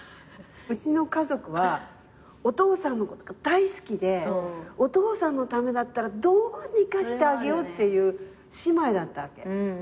うちの家族はお父さんのことが大好きでお父さんのためだったらどうにかしてあげようっていう姉妹だったわけ。